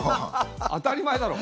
当たり前だろ。